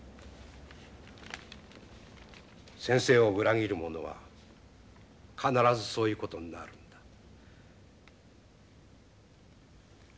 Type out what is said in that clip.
先生を裏切る者は必ずそういう事になるんだ。